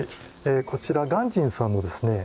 こちら鑑真さんのですね